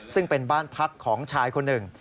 ซึ่งเป็นบ้านพักของชายคนหนึ่ง